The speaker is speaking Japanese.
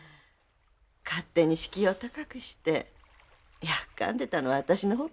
勝手に敷居を高くしてやっかんでたのは私の方かもしれません。